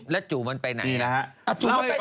แล้วจูมันไปไหน